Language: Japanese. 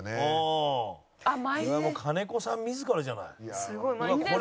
もう金子さん自らじゃない。